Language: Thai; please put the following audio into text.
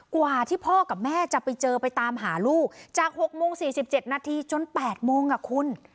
กว่าที่พ่อกับแม่จะไปเจอไปตามหาลูกจากหกโมงสี่สิบเจ็ดนาทีจนแปดโมงอ่ะคุณ